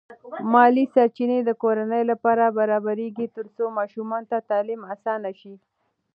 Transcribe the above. مالی سرچینې د کورنۍ لپاره برابرېږي ترڅو ماشومانو ته تعلیم اسانه شي.